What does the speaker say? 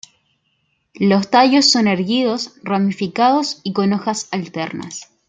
Los tallos son erguidos, ramificados y con hojas alternas.